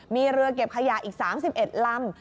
มีเรือเก็บขยะอีก๓๑ลำ